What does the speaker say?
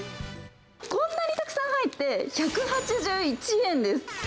こんなにたくさん入って１８１円です。